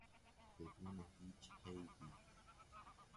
بدون هیچ قیدی